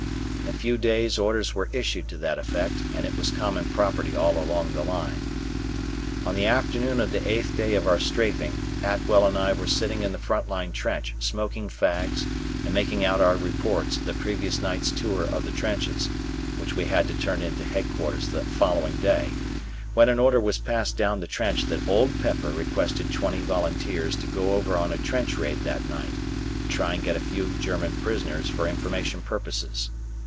In a few days orders were issued to that effect, and it was common property all along the line. On the afternoon of the eighth day of our strafeing, Atwell and I were sitting in the frontline trench smoking fags and making out our reports of the previous night's tour of the trenches, which we had to turn in to headquarters the following day, when an order was passed down the trench that Old Pepper requested twenty volunteers to go over on a trench raid that night to try and get a few German prisoners for information purposes.